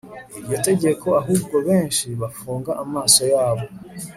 iryo tegeko Ahubwo benshi bafunga amaso yabo